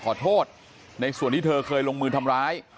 ขอโทษในส่วนที่เธอเคยลงมือทำร้าย